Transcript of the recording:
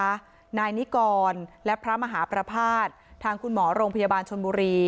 นายนิกรและพระมหาประภาษณ์ทางคุณหมอโรงพยาบาลชนบุรี